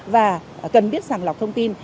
và cần biết sàng lọc thông tin